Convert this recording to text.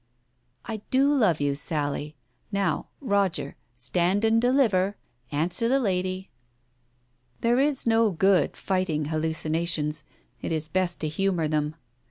" I do love you, Sally. ... Now, Roger, stand and deliver. Answer the lady." There is no good fighting hallucinations, it is best to humour them.